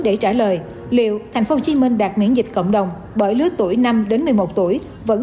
để trả lời liệu thành phố hồ chí minh đạt miễn dịch cộng đồng bởi lứa tuổi năm đến một mươi một tuổi vẫn